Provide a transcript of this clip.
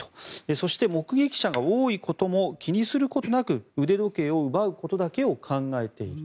そして、目撃者が多いことも気にすることなく腕時計を奪うことだけを考えている。